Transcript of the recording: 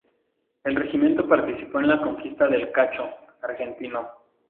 El regimiento participó en la conquista del Chaco argentino.